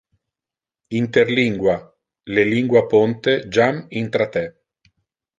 Interlingua, le lingua ponte jam intra te!